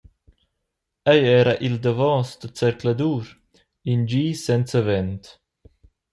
Ei era il davos da zercladur, in di senza vent.